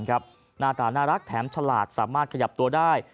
หน้าตาน่ารักแถมฉลาดสามารถขยับตัวได้